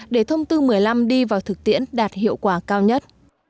để thông tư một mươi năm đi vào thực tiễn đạt hiệu quả cao nhất